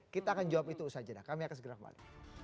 ketika demokrasi dan kebebasan dibuat